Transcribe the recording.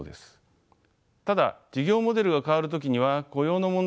ただ事業モデルが変わる時には雇用の問題は避けて通れません。